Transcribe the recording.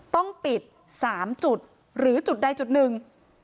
ต้องปิด๓จุดหรือจุดใดจุดหนึ่ง